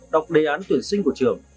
đọc đề án tuyển sinh của trường